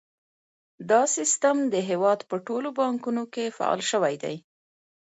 دا سیستم د هیواد په ټولو بانکونو کې فعال شوی دی۔